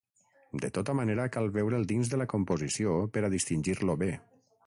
De tota manera cal veure'l dins de la composició per a distingir-lo bé.